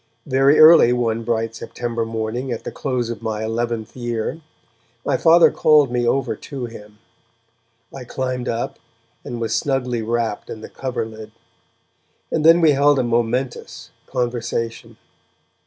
Very early one bright September morning at the close of my eleventh year, my Father called me over to him. I climbed up, and was snugly wrapped in the coverlid; and then we held a momentous conversation.